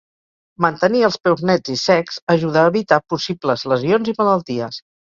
Mantenir els peus nets i secs ajuda a evitar possibles lesions i malalties.